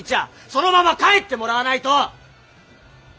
そのまま帰ってもらわないと。